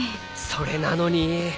それなのに。